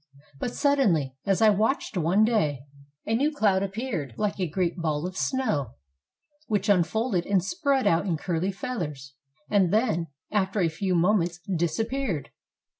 But suddenly, as I watched one day, a new cloud appeared like a great ball of snow, which unfolded and spread out in curly feathers, and then, after a few moments, disappeared.